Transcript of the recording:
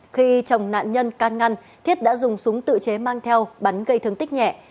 khi chồng nạn nhân can ngăn thiết đã dùng súng tự chế mang theo bắn gây thương tích nhẹ